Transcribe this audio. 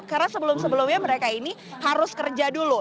karena sebelum sebelumnya mereka ini harus kerja dulu